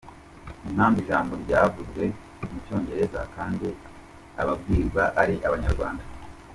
Impamvu ijambo ryavuzwe mu cyongereza kandi ababwirwa ari abanyarwanda.